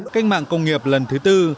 cách mạng công nghiệp lần thứ bốn